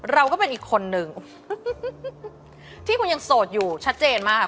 เราก็เป็นอีกคนนึงที่คุณยังโสดอยู่ชัดเจนมาก